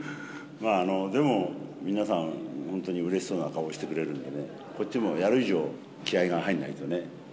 まあでも、皆さん本当にうれしそうな顔をしてくれるんでね、こっちもやる以上、気合いが入んないとね。